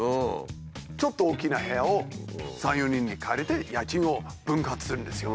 ちょっと大きな部屋を３４人で借りて家賃を分割するんですよ。